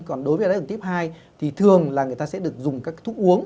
còn đối với đài tháo đường tiếp hai thì thường là người ta sẽ được dùng các thuốc uống